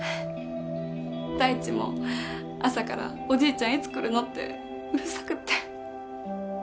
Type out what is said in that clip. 太一も朝から「おじいちゃんいつ来るの？」ってうるさくって。